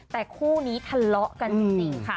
แต่คู่นี้ทะเลาะกันจริงค่ะ